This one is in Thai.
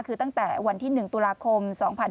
คือตั้งแต่วันที่๑ตุลาคม๒๕๕๙